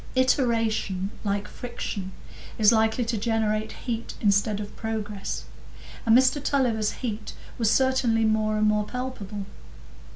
Iteration, like friction, is likely to generate heat instead of progress, and Mr Tulliver's heat was certainly more and more palpable.